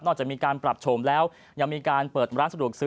จากมีการปรับโฉมแล้วยังมีการเปิดร้านสะดวกซื้อ